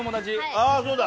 ああそうだ。